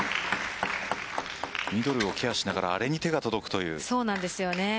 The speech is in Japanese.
ミドルをケアしながらあれに手が届くという。